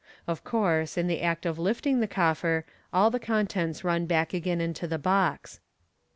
(Of course, in the act of lifting the coffer, all the contents run back again into the box.)